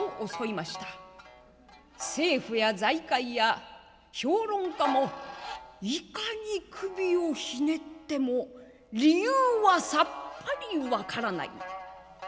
政府や財界や評論家もいかに首をひねっても理由はさっぱり分からない。